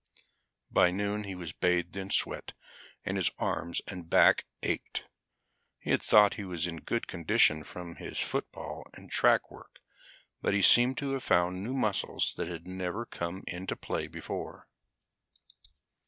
By noon he was bathed in sweat, and his arms and back ached. He had thought he was in good condition from his football and track work, but he seemed to have found new muscles that had never come into play before.